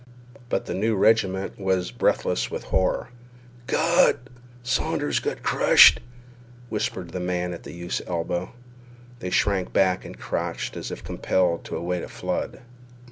But the new regiment was breathless with horror. "Gawd! Saunders's got crushed!" whispered the man at the youth's elbow. They shrank back and crouched as if compelled to await a flood.